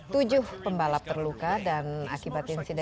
tujuh pembalap terluka dan akibat insiden